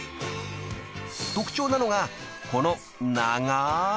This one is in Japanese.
［特徴なのがこの］